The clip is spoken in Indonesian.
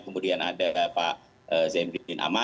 kemudian ada pak zebri bin amali sebagai menteri pemuda dan olahraga